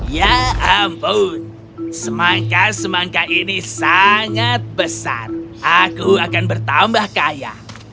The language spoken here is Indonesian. ya ampun semangka semangka ini sangat besar aku akan bertambah kaya